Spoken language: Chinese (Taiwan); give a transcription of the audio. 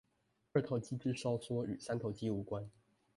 二頭肌之收縮與三頭肌無關